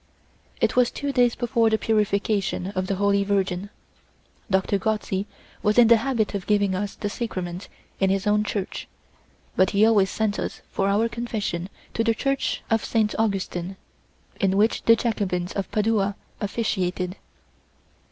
It was two days before the Purification of the Holy Virgin. Doctor Gozzi was in the habit of giving us the sacrament in his own church, but he always sent us for our confession to the church of Saint Augustin, in which the Jacobins of Padua officiated.